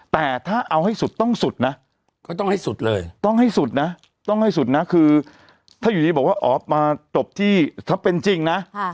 แต่ถ้าเอาให้สุดต้องสุดนะก็ต้องให้สุดเลยต้องให้สุดนะต้องให้สุดนะคือถ้าอยู่ดีบอกว่าอ๋อมาจบที่ถ้าเป็นจริงนะ